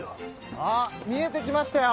あっ見えて来ましたよ